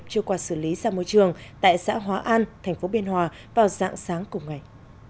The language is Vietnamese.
chưa qua xử lý ra môi trường tại xã hóa an tp biên hòa vào dạng sáng cùng ngày